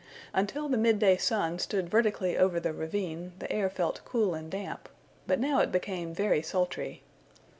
Until the midday sun stood vertically over the ravine, the air felt cool and damp, but now it became very sultry.